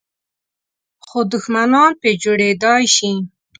خو دښمنان په جوړېدای شي .